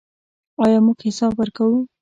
آیا موږ حساب ورکوو؟